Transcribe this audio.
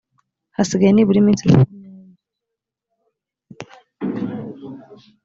hasigaye nibura iminsi makumyabiri